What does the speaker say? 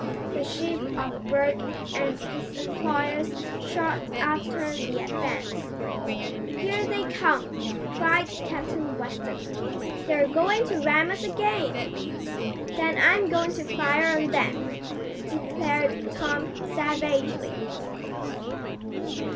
The ship of Berg and his employers shot after the Advance. "Here they come!" cried Captain Weston. "They're going to ram us again!" "Then I'm going to fire on them!" declared Tom savagely.